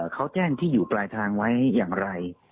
เขาแจ้งที่อยู่ปลายทางไว้อย่างไร